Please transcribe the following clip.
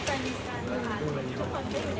ก็ไม่ได้ท่วมงงอย่างบอก